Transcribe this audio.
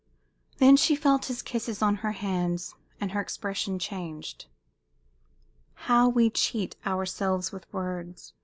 Then she felt his kisses on her hands, and her expression changed. "How we cheat ourselves with words!"